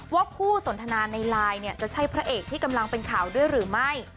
ว่าผู้สนทนาในไลน์เนี่ยจะใช่พระเอกที่กำลังเป็นข่าวด้วยหรือไม่